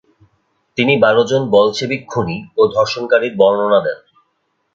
তিনি বারোজন বলশেভিক খুনী ও ধর্ষণকারীর বর্ণনা দেন।